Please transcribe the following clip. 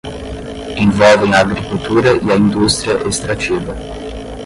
envolvem a agricultura e a indústria extrativa